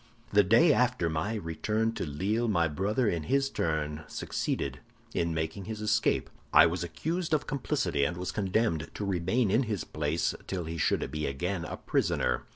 "The day after my return to Lille, my brother in his turn succeeded in making his escape; I was accused of complicity, and was condemned to remain in his place till he should be again a prisoner.